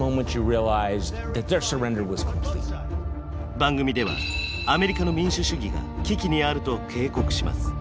番組ではアメリカの民主主義が危機にあると警告します。